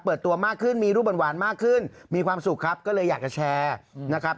ตัวมากขึ้นมีรูปหวานมากขึ้นมีความสุขครับก็เลยอยากจะแชร์นะครับ